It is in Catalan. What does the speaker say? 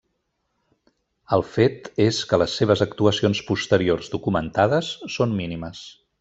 El fet és que les seves actuacions posteriors documentades són mínimes.